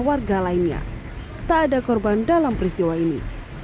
warga lainnya tak ada korban dalam peristiwa ini